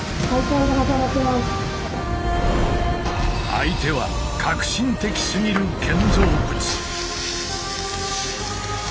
相手は革新的すぎる建造物。